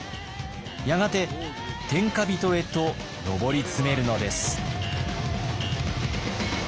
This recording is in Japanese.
やがて天下人へと上り詰めるのです。